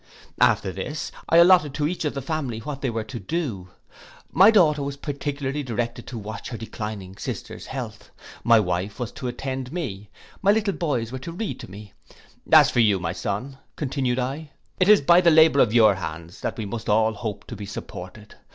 After this, I allotted to each of the family what they were to do. My daughter was particularly directed to watch her declining sister's health; my wife was to attend me; my little boys were to read to me: 'And as for you, my son,' continued I, 'it is by the labour of your hands we must all hope to be supported.